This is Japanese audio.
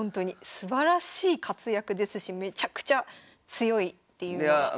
すばらしい活躍ですしめちゃくちゃ強いっていうのは。